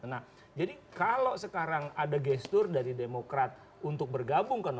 nah jadi kalau sekarang ada gestur dari demokrat untuk bergabung ke dua